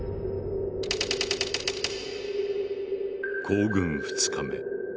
行軍２日目。